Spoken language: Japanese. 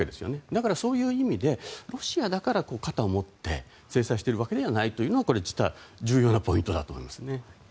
だからそういう意味でロシアだから肩を持って制裁しているのではないというのは実は重要なポイントだと思います。